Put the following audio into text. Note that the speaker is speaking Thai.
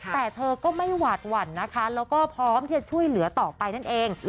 แต่เธอก็ไม่หวาดหวั่นนะคะแล้วก็พร้อมที่จะช่วยเหลือต่อไปนั่นเอง